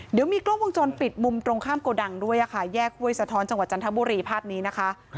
เดี๋ยวมีกล้องวงจรปิดมุมตรงข้ามโกดังด้วยค่ะแยกห้วยสะท้อนจังหวัดจันทบุรีภาพนี้นะคะ